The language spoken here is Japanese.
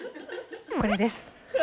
これです。